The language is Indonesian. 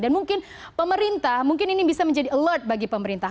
dan mungkin pemerintah mungkin ini bisa menjadi alert bagi pemerintah